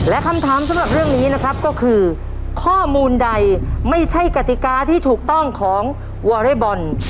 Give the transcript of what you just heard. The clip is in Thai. และคำถามสำหรับเรื่องนี้นะครับก็คือข้อมูลใดไม่ใช่กติกาที่ถูกต้องของวอเรย์บอล